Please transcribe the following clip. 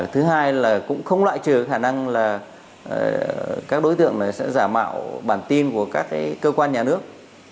thứ hai là cũng không loại trừ khả năng là các đối tượng này sẽ giả mạo bản tin của các cơ quan nhà nước